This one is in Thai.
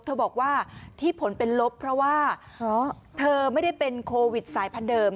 เธอบอกว่าที่ผลเป็นลบเพราะว่าเธอไม่ได้เป็นโควิดสายพันธุเดิม